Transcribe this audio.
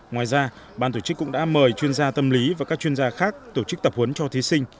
ngoài ra ban tổ chức cũng đã mời chuyên gia tâm lý và các chuyên gia khác tổ chức tập huấn cho thí sinh